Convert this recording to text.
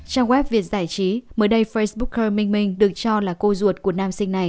trong web việt giải trí mới đây facebooker minh minh được cho là cô ruột của nam sinh này